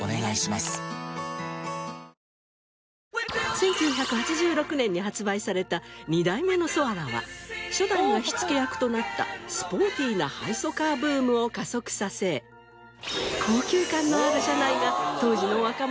１９８６年に発売された２代目のソアラは初代が火付け役となったスポーティーなハイソカーブームを加速させ高級感のある車内が当時の若者に人気に。